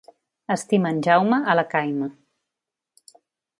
Estima en Jaume a la khaima.